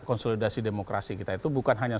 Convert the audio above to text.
konsolidasi demokrasi kita itu bukan hanya